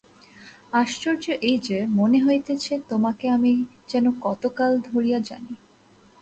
আশ্চর্য এই যে, মনে হইতেছে, তোমাকে আমি যেন কতকাল ধরিয়া জানি।